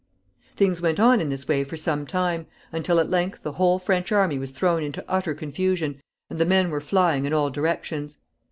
Things went on in this way for some time, until at length the whole French army was thrown into utter confusion, and the men were flying in all directions.